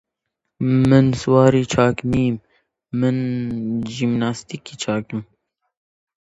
من سواری چاک نییم، ژیمناستیکی چاکم!